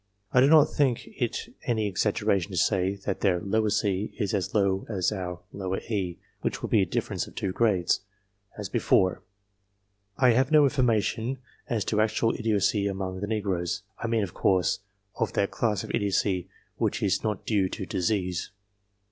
I do not think it any exaggeration to say, that their c is as low as our e, which would be a difference of two grades, as before. I have no information as to actual idiocy among the negroes I mean, of course, of that class of idiocy which is not due to disease.